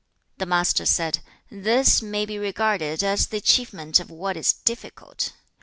2. The Master said, 'This may be regarded as the achievement of what is difficult.